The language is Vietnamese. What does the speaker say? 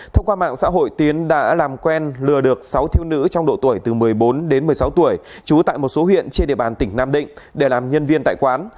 thông qua mạng xã hội tiến đã làm quen lừa được sáu thiếu nữ trong độ tuổi từ một mươi bốn đến một mươi sáu tuổi trú tại một số huyện trên địa bàn tỉnh nam định để làm nhân viên tại quán